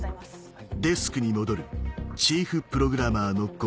はい。